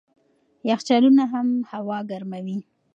یخچالونه هم هوا ګرموي.